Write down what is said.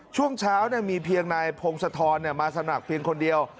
ช่วงเช้ามีเพียงนายพงศธรมาสมัครเพียงคนเดียว